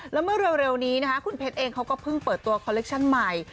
แล้วเมื่อเร็วนี้นะคะคุณเพชรเองเขาก็เพิ่งเปิดตัวคอลเลคชั่นใหม่